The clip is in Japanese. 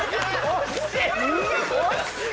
惜しい！